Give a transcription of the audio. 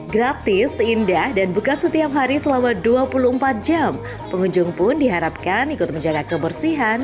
gratis indah dan buka setiap hari selama dua puluh empat jam pengunjung pun diharapkan ikut menjaga kebersihan